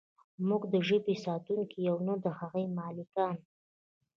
موږ د ژبې ساتونکي یو نه د هغې مالکان.